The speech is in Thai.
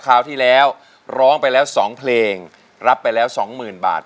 คราวที่แล้วร้องไปแล้ว๒เพลงรับไปแล้วสองหมื่นบาท